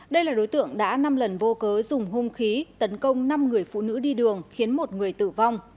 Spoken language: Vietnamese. đây là đối tượng đã năm lần vô cớ dùng hung khí tấn công năm người phụ nữ đi đường khiến một người tử vong